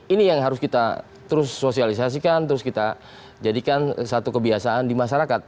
ini yang harus kita terus sosialisasikan terus kita jadikan satu kebiasaan di masyarakat